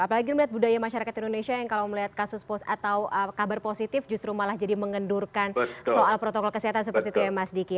apalagi melihat budaya masyarakat indonesia yang kalau melihat kasus atau kabar positif justru malah jadi mengendurkan soal protokol kesehatan seperti itu ya mas diki